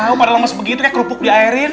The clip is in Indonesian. oh pada lama sebegini tuh kan kerupuk diairin